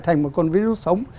thành một con virus sống